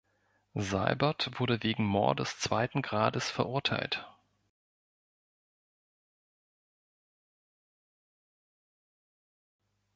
Seibert wurde wegen Mordes zweiten Grades verurteilt.